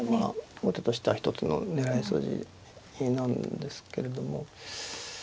後手としては一つの狙い筋なんですけれども。